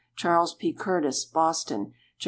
Charles P. Curtis, Boston. Gen.